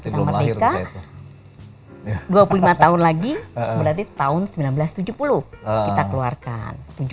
kita merdeka dua puluh lima tahun lagi berarti tahun seribu sembilan ratus tujuh puluh kita keluarkan